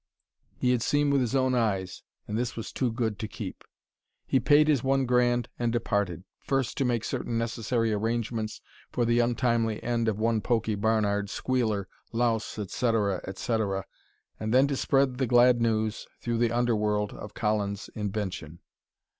He had seen with his own eyes and this was too good to keep. He paid his one grand and departed, first to make certain necessary arrangements for the untimely end of one Pokey Barnard, squealer, louse, et cetera, et cetera, and then to spread the glad news through the underworld of Collins' invention.